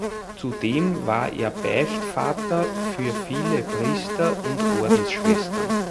Zudem war er Beichtvater für viele Priester und Ordensschwestern.